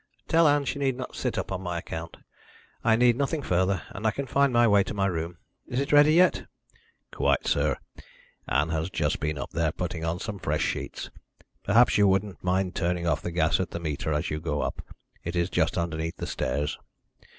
"Tell Ann she need not sit up on my account. I need nothing further, and I can find my way to my room. Is it ready yet?" "Quite, sir. Ann has just been up there, putting on some fresh sheets. Perhaps you wouldn't mind turning off the gas at the meter as you go up it is just underneath the stairs.